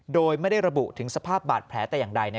โดยไม่ได้ระบุถึงสภาพบาดแผลแต่อย่างใด